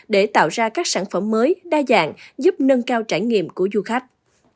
để tạo ra các sản phẩm mới đa dạng giúp nâng cao trải nghiệm của du khách